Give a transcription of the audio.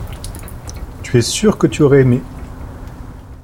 Tu es sûr que tu aurais aimé.